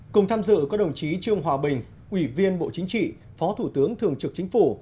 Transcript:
cùng tham dự có đồng chí trương hòa bình ủy viên bộ chính trị phó thủ tướng thường trực chính phủ